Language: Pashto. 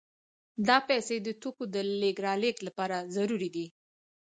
دا پیسې د توکو د لېږد رالېږد لپاره ضروري دي